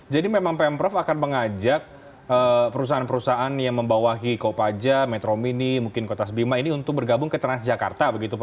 jadi memang pemprov akan mengajak perusahaan perusahaan yang membawahi kopaja metro mini mungkin kontas bima ini untuk bergabung ke transjakarta begitu pak